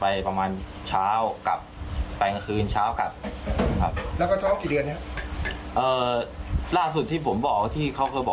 ไปประมาณเช้ากลับไปกลางคืนเช้ากลับครับ